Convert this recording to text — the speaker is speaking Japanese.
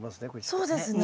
そうですね。